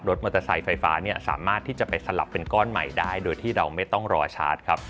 มอเตอร์ไซค์ไฟฟ้าเนี่ยสามารถที่จะไปสลับเป็นก้อนใหม่ได้โดยที่เราไม่ต้องรอชาร์จครับ